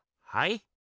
はい？